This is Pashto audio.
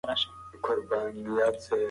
مذهبي ډلې خپل ځانګړي تعصبات لري.